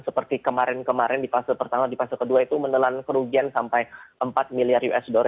seperti kemarin kemarin di fase pertama di fase kedua itu menelan kerugian sampai empat miliar usd